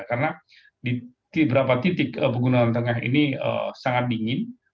karena di beberapa titik penggunaan tengah ini sangat dingin